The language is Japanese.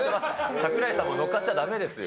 櫻井さんも乗っかっちゃだめですよ。